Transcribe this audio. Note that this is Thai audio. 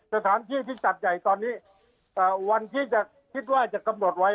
สถานที่ที่จัดใหญ่ตอนนี้วันที่จะคิดว่าจะกำหนดไว้